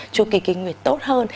chu kỳ kinh nguyệt tốt hơn